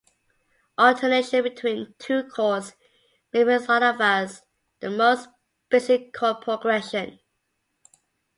Alternation between two chords may be thought of as the most basic chord progression.